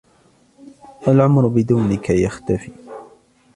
والعمر بدونك يختفي